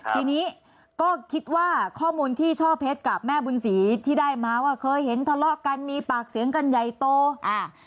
ทีนี้ก็คิดว่าข้อมูลที่ช่อเพชรกับแม่บุญศรีที่ได้มาว่าเคยเห็นทะเลาะกันมีปากเสียงกันใหญ่โตอ่า